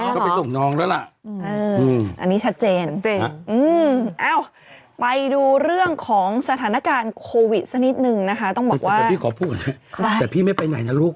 ก็โดน้องแล้วล่ะอันนี้ชัดเจนเรื่องของสถานการณ์โควิดสักนิดหนึ่งนะคะต้องบอกว่ากบุหน